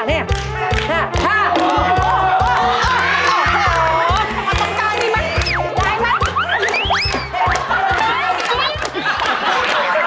ประมาณต้องการว่านี่ไหมได้ไหม